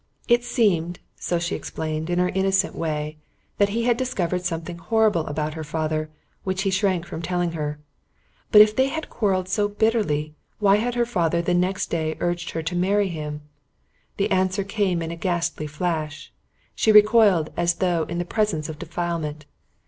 It seemed, so she explained, in her innocent way, that he had discovered something horrible about her father which he shrank from telling her. But if they had quarrelled so bitterly, why had her father the very next day urged her to marry him? The answer came in a ghastly flash. She recoiled as though in the presence of defilement.